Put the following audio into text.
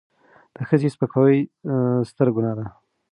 د ښځې سپکاوی ستره ګناه ده.